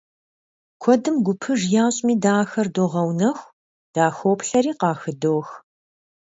Куэдым гупыж ящӀми, дэ ахэр догъэунэху, дахоплъэри, къахыдох.